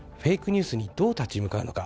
ニュースにどう立ち向かうのか。